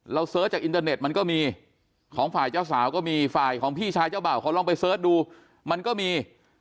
เสิร์ชจากอินเตอร์เน็ตมันก็มีของฝ่ายเจ้าสาวก็มีฝ่ายของพี่ชายเจ้าบ่าวเขาลองไปเสิร์ชดูมันก็มี